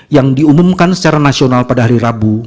yang diumumkan secara nasional pada hari rabu